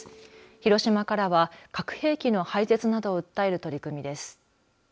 広島からは核兵器の廃絶などを訴える取り組みです。